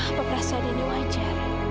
apa perasaan ini wajar